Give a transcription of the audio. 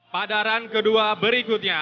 pada run kedua berikutnya